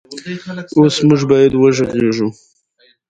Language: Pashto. د هغه ژبه معنا لرونکې ده.